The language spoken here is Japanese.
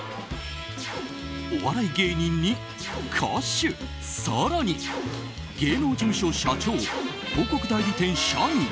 お笑い芸人に歌手、更に芸能事務所社長、広告代理店社員